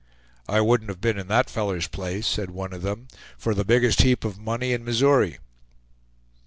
"I wouldn't have been in that feller's place," said one of them, "for the biggest heap of money in Missouri."